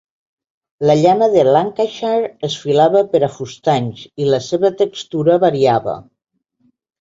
La llana de Lancashire es filava per a fustanys i la seva textura variava.